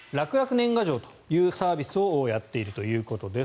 年賀状というサービスをやっているということです。